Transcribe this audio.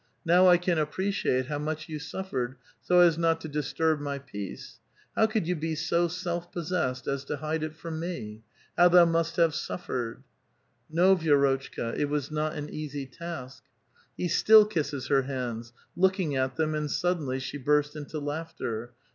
Now I can appreciate how much you suffered, so as not to disturb my peace. How could you be so self possessed as to hide it from me ? How thou must have suffered !" ''No, Vi^rotchka ; it was not an eas}' task." He still kisses her hands, looking at them, and suddenly she burst into laughter.